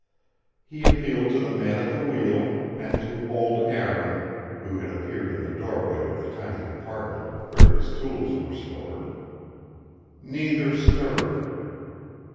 He appealed to the man at the wheel, and to old Aaron, who had appeared in the doorway of the tiny compartment where his tools were stored. Neither stirred.